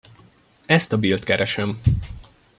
Ezt a Billt keresem!